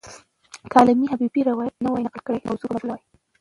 که علامه حبیبي روایت نه وای نقل کړی، نو موضوع به مجهوله وای.